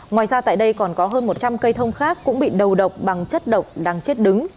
ngoài ra tại đây còn có hơn một trăm linh cây thông khác cũng bị đầu độc bằng chất độc đang chết đứng